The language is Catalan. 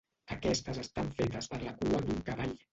Aquestes estan fetes per la cua d'un cavall.